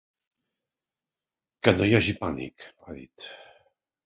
Que no hi hagi pànic, ha dit.